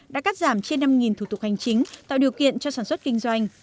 đã cắt giảm trên năm thủ tục hành chính tạo điều kiện cho sản xuất kinh doanh